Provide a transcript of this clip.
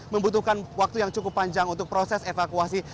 membutuhkan waktu yang cukup panjang untuk proses evakuasi